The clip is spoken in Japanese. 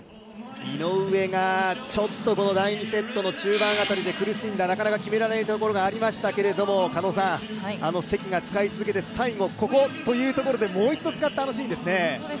井上がちょっと第２セットの中盤辺りで苦しんだ、なかなか決められないところがありましたけれども関が使い続けて最後、ここというところでもう一度使った、あのシーンですね